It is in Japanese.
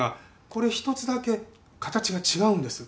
これ一つだけ形が違うんです。